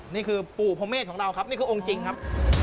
นี่คือปู่พระเมฆของเราครับนี่คือองค์จริงครับ